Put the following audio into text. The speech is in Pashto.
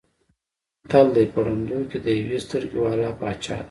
متل دی: په ړندو کې د یوې سترګې واله باچا دی.